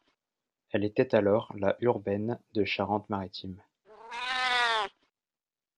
Elle était alors la urbaine de Charente-Maritime.